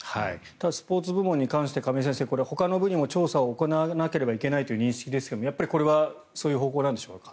ただスポーツ部門に関して亀井先生、ほかの部にも調査を行わなければいけないという認識ですがこれはそういう方向なんでしょうか。